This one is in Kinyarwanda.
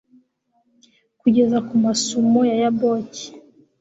kugeza ku masumo ya yaboki